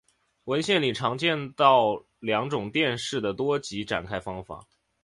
文献里常见到两种电势的多极展开方法。